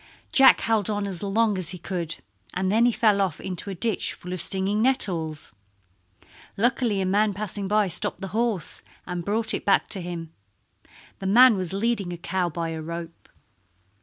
Jack held on as long as he could, and then he fell off into a ditch full of stinging nettles. Luckily a man passing by stopped the horse and brought it back to him. The man was leading a cow by a rope.